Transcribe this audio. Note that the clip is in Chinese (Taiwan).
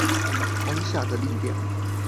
當下的力量